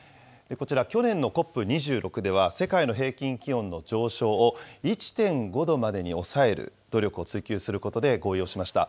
こちら、去年のＣＯＰ２６では、世界の平均気温の上昇を１．５度までに抑える努力を追求することで合意をしました。